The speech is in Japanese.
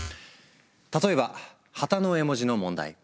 例えば旗の絵文字の問題。